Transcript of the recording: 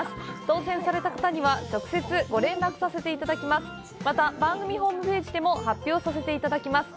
当せんされた方には直接ご連絡させていただきます。